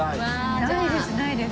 ないですないです。